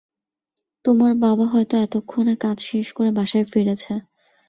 তোমার বাবা হয়তো এতক্ষণে কাজ শেষ করে বাসায় ফিরেছে।